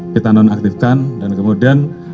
kita nonaktifkan dan kemudian